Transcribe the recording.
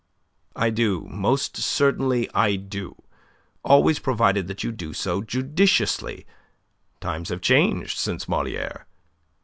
"I do; most certainly I do always provided that you do so judiciously. Times have changed since Moliere."